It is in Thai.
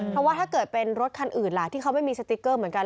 เพราะว่าถ้าเกิดเป็นรถคันอื่นล่ะที่เขาไม่มีสติ๊กเกอร์เหมือนกัน